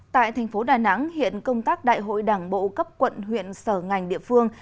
tại thành phố đà nẵng hiện công tác đại hội đảng bộ cấp quận huyện sở ngành địa phương